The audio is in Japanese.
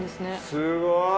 すごい！